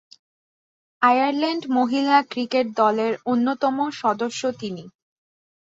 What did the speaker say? Ireland মহিলা cricket দলের অন্যতম সদস্য তিনি।